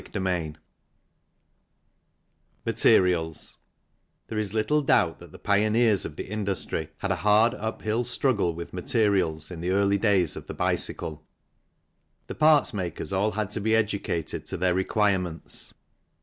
CHAPTER IV MATERIALS THERE is little doubt that the pioneers of the industry had a hard up hill struggle with materials in the early days of the bicycle. The parts makers all had to be educated to their requirements.